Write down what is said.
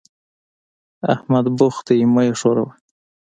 احمد بوخت دی؛ مه يې ښوروه.